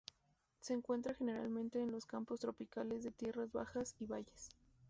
Se encuentra generalmente en los campos tropicales de tierras bajas y valles.